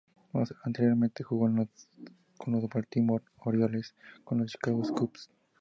Anteriormente jugó con los Baltimore Orioles y con los Chicago Cubs.